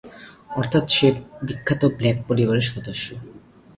অর্থাৎ সে বিখ্যাত ব্ল্যাক পরিবারের সদস্য।